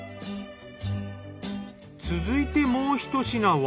続いてもう１品は？